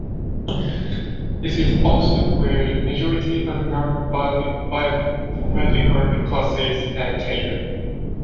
This is also where the majority of non-biblical classes are taken.